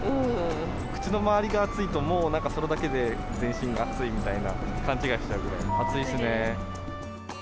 口の周りが暑いと、もうなんかそれだけで、全身が暑いみたいな、勘違いしちゃいそうな、暑いですね。